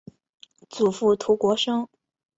祖父涂国升。